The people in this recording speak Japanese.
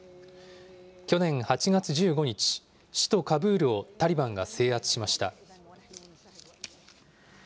去年８月１５日、首都カブールをタリバンが制圧しました。